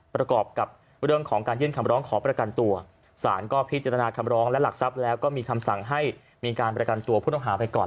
ประกอบกับเรื่องของการยื่นคำร้องขอประกันตัวสารก็พิจารณาคำร้องและหลักทรัพย์แล้วก็มีคำสั่งให้มีการประกันตัวผู้ต้องหาไปก่อน